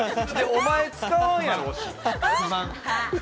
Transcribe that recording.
お前使わんやろ！